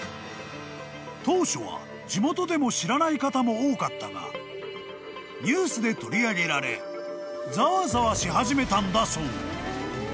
［当初は地元でも知らない方も多かったがニュースで取り上げられざわざわし始めたんだそう］